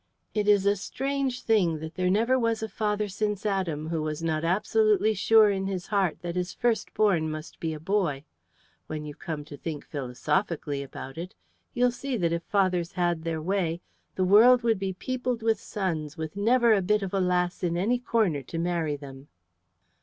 "It is a strange thing that there never was a father since Adam who was not absolutely sure in his heart that his first born must be a boy. When you come to think philosophically about it, you'll see that if fathers had their way the world would be peopled with sons with never a bit of a lass in any corner to marry them."